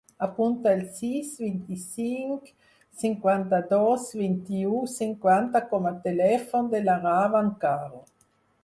Apunta el sis, vint-i-cinc, cinquanta-dos, vint-i-u, cinquanta com a telèfon de la Rawan Caro.